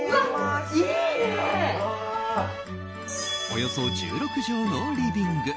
およそ１６畳のリビング。